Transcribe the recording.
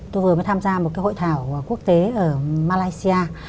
tôi vừa mới tham gia một cái hội thảo quốc tế ở malaysia